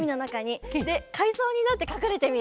でかいそうになってかくれてみる。